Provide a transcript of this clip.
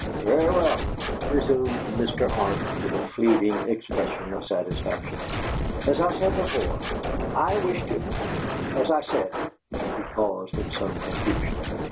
"Very well," resumed Mr. Arp, with a fleeting expression of satisfaction, "as I said before, I wish to as I said " He paused, in some confusion.